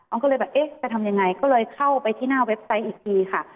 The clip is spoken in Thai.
ก็เลยแบบเอ๊ะจะทำยังไงก็เลยเข้าไปที่หน้าเว็บไซต์อีกทีค่ะ